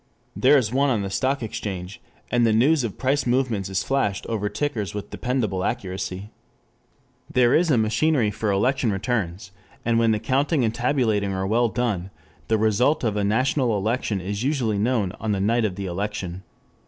There is one on the stock exchange, and the news of price movements is flashed over tickers with dependable accuracy. There is a machinery for election returns, and when the counting and tabulating are well done, the result of a national election is usually known on the night of the election.